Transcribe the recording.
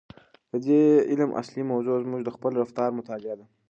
د دې علم اصلي موضوع زموږ د خپل رفتار مطالعه ده.